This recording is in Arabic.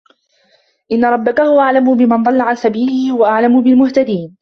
إِنَّ رَبَّكَ هُوَ أَعلَمُ بِمَن ضَلَّ عَن سَبيلِهِ وَهُوَ أَعلَمُ بِالمُهتَدينَ